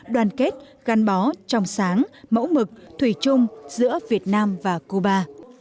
đoàn kết gắn bó trong sáng mẫu mực thủy chung giữa việt nam và cuba